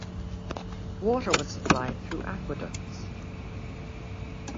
Water was supplied through aqueducts.